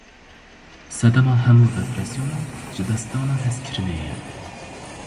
Sedema hemû depresyonan, jidestdana hezkirinê ye.